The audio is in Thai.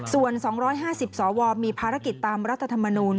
ส่วน๒๕๐สวมีภารกิจตามรัฐธรรมนูล